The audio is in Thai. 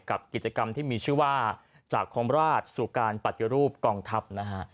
กับกิจกรรมที่มีชื่อว่าจากคมราชสู่การปฏิรูปกองทัพนะฮะ